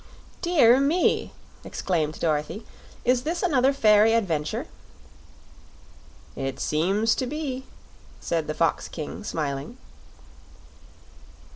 "Dear me!" exclaimed Dorothy; "is this another fairy adventure?" "It seems to be," said the Fox King, smiling.